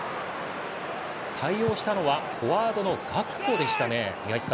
対応したのはフォワードのガクポでしたね。